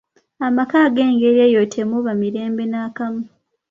Amaka ag'engeri eyo temuba mirembe n'akamu.